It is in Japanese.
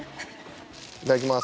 いただきます。